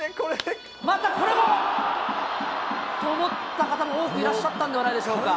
また、これも。と思った方も多くいらっしゃったんではないでしょうか。